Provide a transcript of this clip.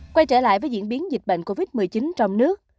quay trở lại với diễn biến dịch bệnh covid một mươi chín trong nước